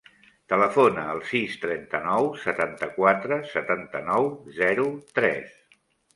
Telefona al sis, trenta-nou, setanta-quatre, setanta-nou, zero, tres.